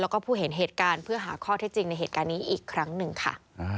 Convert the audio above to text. แล้วก็ผู้เห็นเหตุการณ์เพื่อหาข้อเท็จจริงในเหตุการณ์นี้อีกครั้งหนึ่งค่ะ